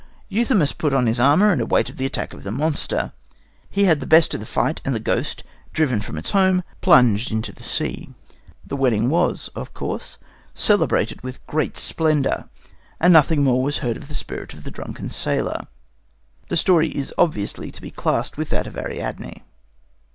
Euthymus put on his armour and awaited the attack of the monster. He had the best of the fight, and the ghost, driven from its home, plunged into the sea. The wedding was, of course, celebrated with great splendour, and nothing more was heard of the spirit of the drunken sailor. The story is obviously to be classed with that of Ariadne.